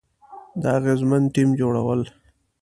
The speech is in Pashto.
د اغیزمن ټیم جوړول،